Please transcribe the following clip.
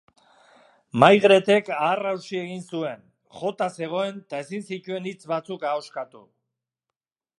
Maigretek aharrausi egin zuen, jota zegoen eta ezin zituen hitz batzuk ahoskatu.